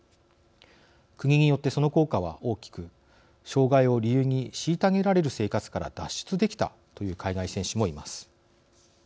国によって、その効果は大きく障害を理由に虐げられる生活から脱出できたという海外選手もいます。